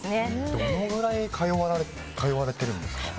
どのぐらい通われてるんですか。